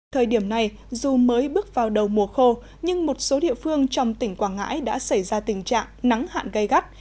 thời điểm này dù mới bước vào đầu mùa khô nhưng một số địa phương trong tỉnh quảng ngãi đã xảy ra tình trạng nắng hạn gây gắt